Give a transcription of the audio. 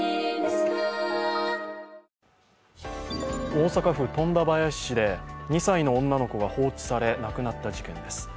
大阪府富田林市で２歳の女子が放置され、亡くなった事件です。